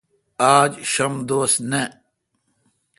آج شنب دوس نہ۔